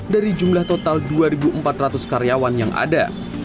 dari jumlah total dua empat ratus karyawan yang ada